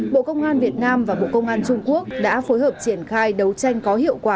bộ công an việt nam và bộ công an trung quốc đã phối hợp triển khai đấu tranh có hiệu quả